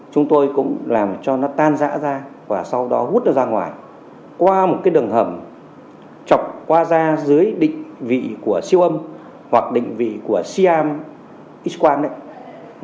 chúng tôi cũng làm cho nó tan dã ra và sau đó hút nó ra ngoài qua một cái đường hầm chọc qua da dưới định vị của siêu âm hoặc định vị của siam x quant đấy là chúng tôi tiếp cận được vào sỏi